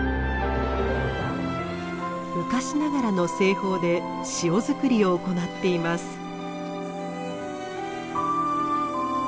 昔ながらの製法で塩づくりを行っています。